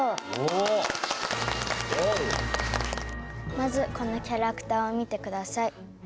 まずこのキャラクターを見てください。